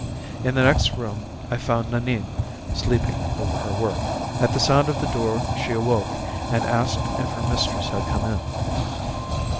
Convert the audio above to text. In the next room I found Nanine sleeping over her work. At the sound of the door, she awoke and asked if her mistress had come in.